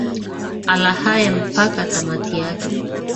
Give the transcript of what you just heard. ala haya mpaka tamati yake